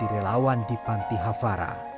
menjadi relawan di panti havara